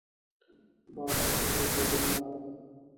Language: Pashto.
باد د خوږو خوبونو لاره ده